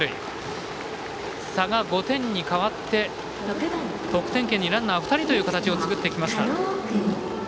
差が５点に変わって得点圏にランナー２人という形を作ってきました。